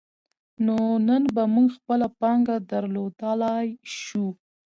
نو نن به موږ خپله پانګه درلودلای شو.